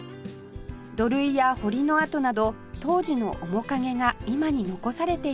土塁や堀の跡など当時の面影が今に残されています